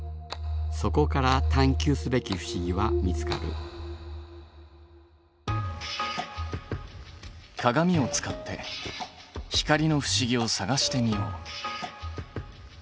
そこから探究すべき不思議は見つかる鏡を使って光の不思議を探してみよう。